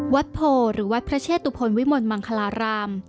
โพหรือวัดพระเชตุพลวิมลมังคลาราม